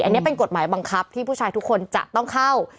อันนี้เป็นกฎหมายบังคับที่ผู้ชายทุกคนจะต้องเข้า